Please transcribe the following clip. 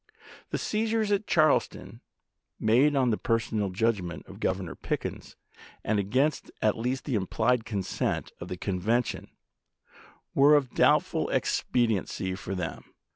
The seizures at Charleston, made on the per sonal judgment of Governor Pickens, and against at least the implied consent of the convention, were of doubtful expediency for them.